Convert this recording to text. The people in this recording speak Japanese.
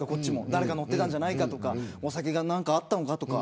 誰か乗ってたんじゃないかとかお酒があったのかとか。